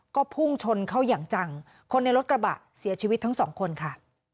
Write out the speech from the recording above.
ก็พุ่งชนเขาอย่างจังคนในรถกระบะเสียชีวิตทั้งสองคนค่ะ